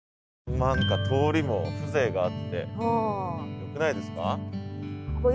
何か通りも風情があってよくないですか？